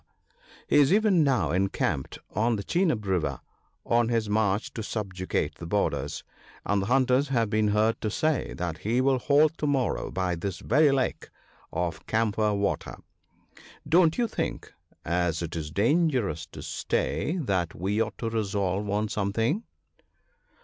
He is even now encamped on the Cheenab River, on his march to subjugate the borders ; and the hunters have been heard to say that he will halt to morrow by this very lake of * Camphor water. ' Don't you think, as it is dangerous to stay, that we ought to resolve on some thing